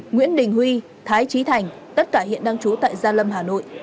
nguyễn đình huy thái trí thành tất cả hiện đang trú tại gia lâm hà nội